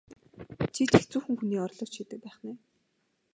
Чи ч хэцүүхэн хүний орлогч хийдэг байх нь ээ?